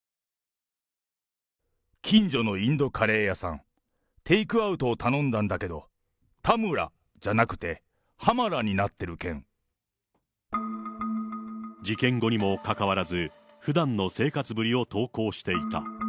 近所のインドカレー屋さん、テイクアウトを頼んだんだけど、田村じゃなくてハマラになってる事件後にもかかわらず、ふだんの生活ぶりを投稿していた。